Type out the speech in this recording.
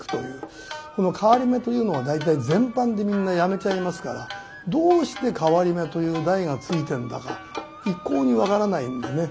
この「替り目」というのは大体前半でみんなやめちゃいますからどうして「替り目」という題がついてんだか一向に分からないんでね